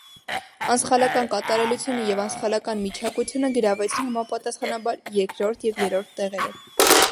«Անսխալական կատարելությունը» և «անսխալական միջակությունը» գրավեցին համապատասխանաբար երկրորդ և երրորդ տեղերը։